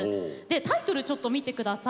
タイトルちょっと見てください。